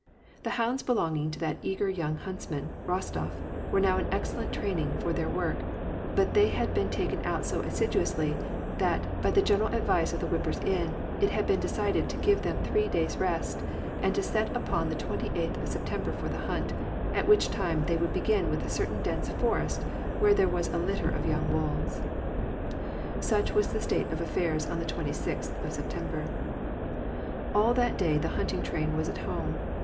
The hounds belonging to that eager young huntsman, Kostof, were now in excellent training for their work ; but they had been taken out so assiduously, that, by the general advice of the whippers in, it had been decided to give them three days' rest, and to set upon the 28th of September for the hunt ; at which time they would begin with a certain dense forest, where there was a litter of young wolves. Such was the state of affairs on the 26th of September. All that day the hunting train was at home.